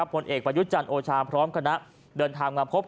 ผลเอกประยุทธ์จันทร์โอชาพร้อมคณะเดินทางมาพบ